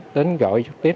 đến gọi trực tiếp